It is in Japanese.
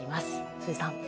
辻さん。